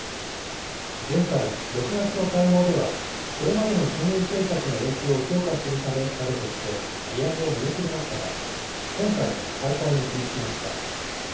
前回・６月の会合では、それまでの金融政策の影響を評価するためなどとして、利上げを見送りましたが、今回、再開に踏み切りました。